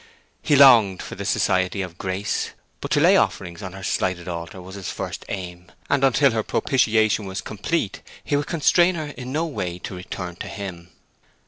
He longed for the society of Grace. But to lay offerings on her slighted altar was his first aim, and until her propitiation was complete he would constrain her in no way to return to him.